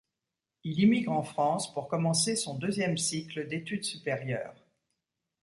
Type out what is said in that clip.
Il immigre en France pour commencer son deuxième cycle d’études supérieures.